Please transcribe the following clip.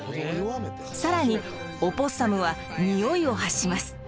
更にオポッサムはニオイを発します。